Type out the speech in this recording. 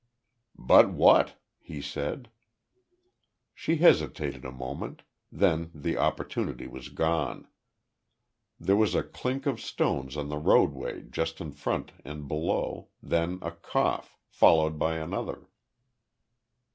"But what?" he said. She hesitated a moment, then the opportunity was gone. There was a clink of stones on the roadway just in front and below, then a cough, followed by another.